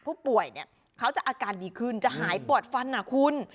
ผู้ป่วยเนี่ยเขาจะอาการดีขึ้นจะหายปวดฟันนะคุณ